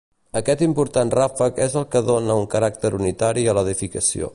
Aquest important ràfec és el que dóna un caràcter unitari a l'edificació.